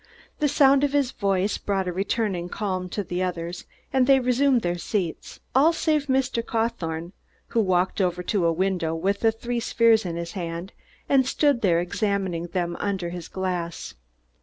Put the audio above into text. The sound of his voice brought a returning calm to the others, and they resumed their seats all save Mr. Cawthorne, who walked over to a window with the three spheres in his hand and stood there examining them under his glass.